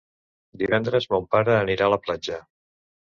Divendres mon pare anirà a la platja.